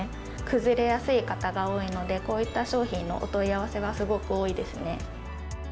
崩れやすい方が多いので、こういった商品のお問い合わせはすごく多いですね。